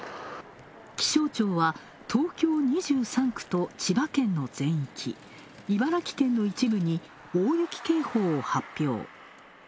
気象庁は東京２３区と千葉県の全域、茨城県の一部に大雪警報を発表。